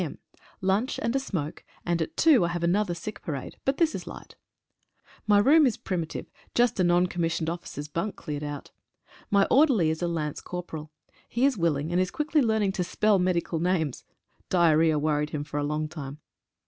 m. — lunch and a smoke, and at 2 I have another sick parade, but this is 1 ight. My room is primitive — just a N.C.O.'s bunk cleared out. My orderly is a lance corporal. He is willing, and is quickly learning to spell medical names — "diarrhoea" worried him for a long time.